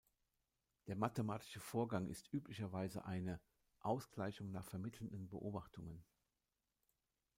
Der mathematische Vorgang ist üblicherweise eine "Ausgleichung nach vermittelnden Beobachtungen".